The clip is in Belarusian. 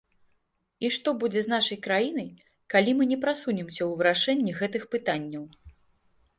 І што будзе з нашай краінай, калі мы не прасунемся ў вырашэнні гэтых пытанняў?